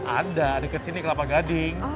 ada deket sini kelapa gading